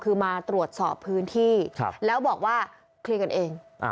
คือมาตรวจสอบพื้นที่แล้วบอกว่าเคลียร์กันเอง